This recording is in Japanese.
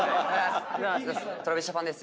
ＴｒａｖｉｓＪａｐａｎです。